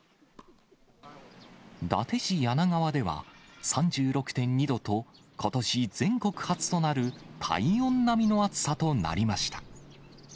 伊達市梁川では、３６．２度と、ことし全国初となる体温並みの暑さとなりました。